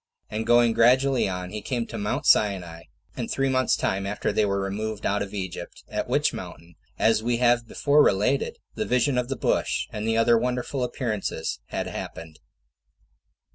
And going gradually on, he came to Mount Sinai, in three months' time after they were removed out of Egypt; at which mountain, as we have before related, the vision of the bush, and the other wonderful appearances, had happened.